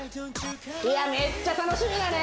いやめっちゃ楽しみだね・